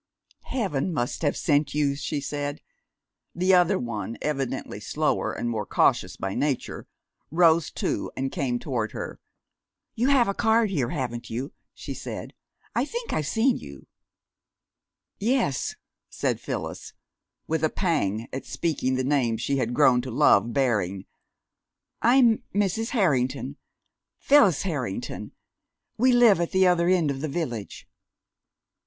"Heaven must have sent you," she said. The other one, evidently slower and more cautious by nature, rose too, and came toward her. "You have a card here, haven't you?" she said. "I think I've seen you." "Yes," Phyllis said, with a pang at speaking the name she had grown to love bearing; "I'm Mrs. Harrington Phyllis Harrington. We live at the other end of the village."